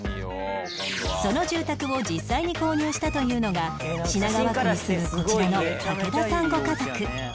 その住宅を実際に購入したというのが品川区に住むこちらの武田さんご家族